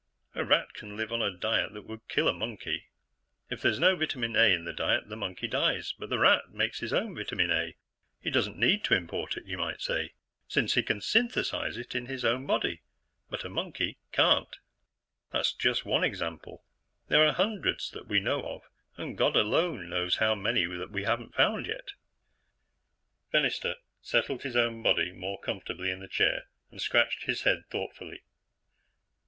A rat can live on a diet that would kill a monkey. If there's no vitamin A in the diet, the monkey dies, but the rat makes his own vitamin A; he doesn't need to import it, you might say, since he can synthesize it in his own body. But a monkey can't. "That's just one example. There are hundreds that we know of and God alone knows how many that we haven't found yet." Fennister settled his own body more comfortably in the chair and scratched his head thoughtfully.